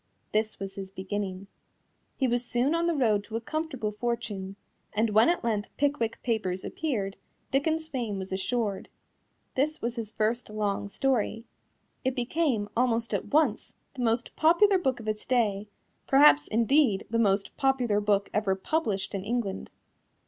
This was his beginning. He was soon on the road to a comfortable fortune, and when at length Pickwick Papers appeared, Dickens's fame was assured. This was his first long story. It became, almost at once, the most popular book of its day, perhaps, indeed, the most popular book ever published in England.